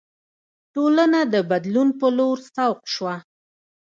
ټولنه د بدلون په لور سوق شوه.